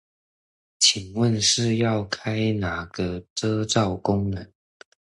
請問是要開哪個遮罩功能